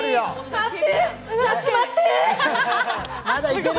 待って、夏待って！